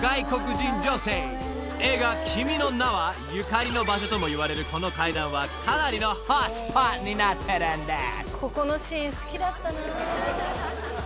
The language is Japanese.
［映画『君の名は。』ゆかりの場所ともいわれるこの階段はかなりのホットスポットになってるんです］